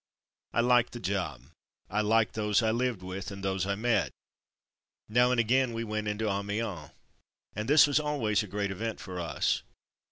I liked the job, I liked those I lived with, and those I met. Now and again we went into Amiens, and this was always a great event for us.